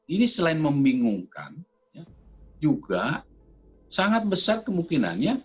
ini selain membingungkan juga sangat besar kemungkinannya